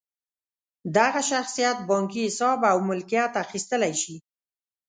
دغه شخصیت بانکي حساب او ملکیت اخیستلی شي.